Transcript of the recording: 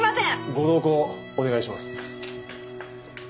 ご同行お願いします。